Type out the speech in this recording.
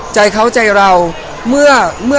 ใจเขาใจเราเมื่อ